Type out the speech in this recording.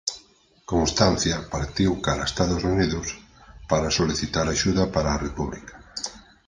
Constancia partiu cara a Estados Unidos para solicitar axuda para a República.